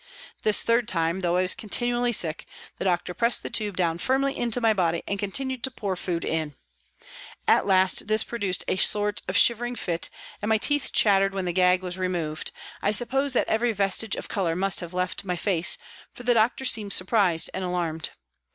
This third time, though I was con tinually sick, the doctor pressed the tube down firmly into my body and continued to pour food in. At last this produced a sort of shivering fit and my teeth chattered when the gag was removed ; I suppose that every vestige of colour must have left my face, for the doctor seemed surprised and alarmed.